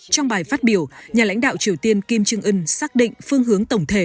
trong bài phát biểu nhà lãnh đạo triều tiên kim jong un xác định phương hướng tổng thể